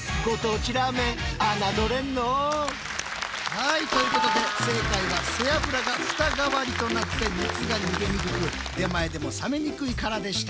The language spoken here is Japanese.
はいということで正解は背脂がフタ代わりとなって熱が逃げにくく出前でも冷めにくいからでした。